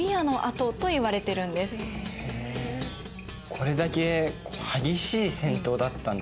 これだけ激しい戦闘だったんだね。